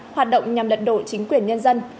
hoạt động nhằm lật đổ chính quyền nhân dân